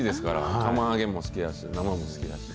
釜揚げも好きやし、生も好きやし。